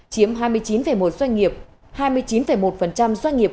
chiếm hai mươi chín một doanh nghiệp